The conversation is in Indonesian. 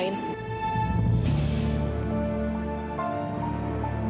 kamu menemukan perempuan lain